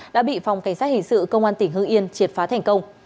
đã bị phòng cảnh sát hình sự công an tỉnh hưng yên triệt phá thành công